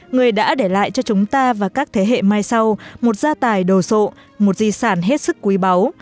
người đã để lại cho chúng ta và các thế hệ mai sau một gia tài đồ sộ một di sản hết sức quý báu